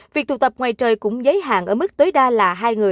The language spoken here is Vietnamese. việc thuộc tập ngoài trời cũng giấy hạn ở mức tối đa là hai